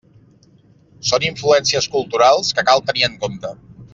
Són influències culturals que cal tenir en compte.